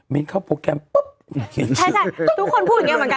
มินทร์เข้าโปรแกรมปุ๊บ